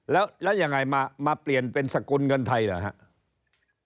แล้วยังไงมาเปลี่ยนเป็นสกุลเงินไทยเหรอครับ